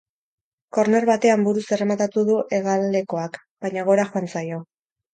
Korner batean buruz errematatu du hegalekoak, baina gora joan zaio.